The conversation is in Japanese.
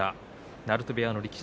鳴門部屋の力士。